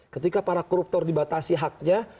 ketika para koruptor dibatasi haknya